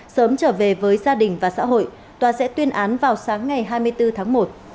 sớm trở về với gia đình và xã hội tòa sẽ tuyên án vào sáng ngày hai mươi bốn tháng một